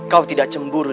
kau tidak cemburu